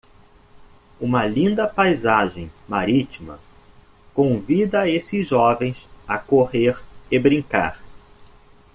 Uma linda paisagem marítima convida esses jovens a correr e brincar.